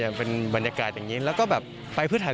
ไปเพื่อถ่ายภาษีนี่เนี่ยครับ